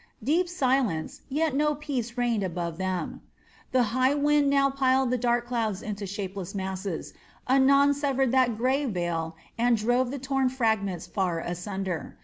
Deep silence, yet no peace reigned above them: the high wind now piled the dark clouds into shapeless masses, anon severed that grey veil and drove the torn fragments far asunder.